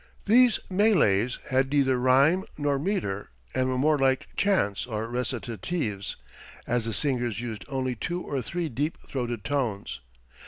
These meles had neither rime nor meter and were more like chants or recitatives, as the singers used only two or three deep throated tones.